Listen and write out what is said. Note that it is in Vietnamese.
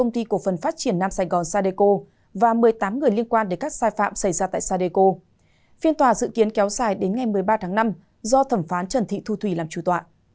tiếng tòa dự kiến kéo xài đến ngày một mươi ba tháng năm do thẩm phán trần thị thu thùy làm chủ tọa